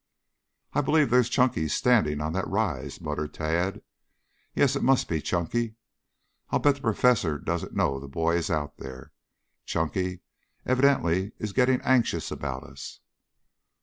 "I believe there's Chunky standing on that rise," muttered Tad. "Yes it must be Chunky. I'll bet the professor doesn't know the boy is out there. Chunky evidently is getting anxious about us."